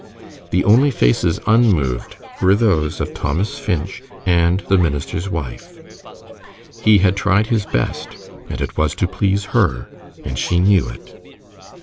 The only faces unmoved were those of Thomas Finch and the minister's wife. He had tried his best, and it was to please her, and she knew it.